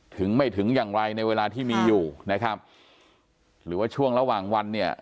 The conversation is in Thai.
ถึงไม่ถึงอย่างไรในเวลาที่มีอยู่นะครับหรือว่าช่วงระหว่างวันเนี่ย